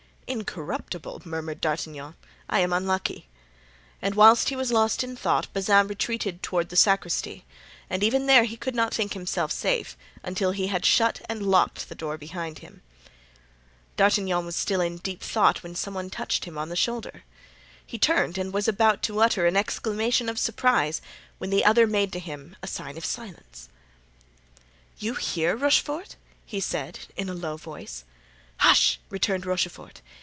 "Incorruptible!" murmured D'Artagnan; "I am unlucky;" and whilst he was lost in thought Bazin retreated toward the sacristy, and even there he could not think himself safe until he had shut and locked the door behind him. D'Artagnan was still in deep thought when some one touched him on the shoulder. He turned and was about to utter an exclamation of surprise when the other made to him a sign of silence. "You here, Rochefort?" he said, in a low voice. "Hush!" returned Rochefort.